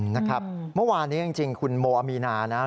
นะครับเมื่อวานนี้จริงคุณโมอมีนารับปริญญา